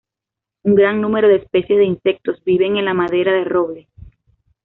Un gran número de especies de insectos viven en la madera de roble.